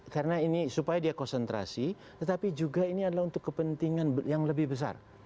karena ini supaya dia konsentrasi tetapi juga ini adalah untuk kepentingan yang lebih besar